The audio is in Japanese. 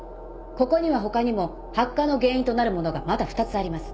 ここには他にも発火の原因となるものがまだ２つあります。